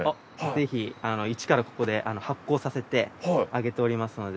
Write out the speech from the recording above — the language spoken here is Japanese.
ぜひ一からここで発酵させて揚げておりますので。